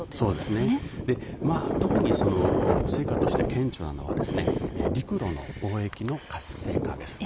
特に成果として顕著なのは陸路の貿易の活性化ですね。